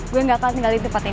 gue gak akan tinggalin tempat ini